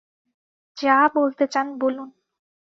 যা বলতে চান বলুন।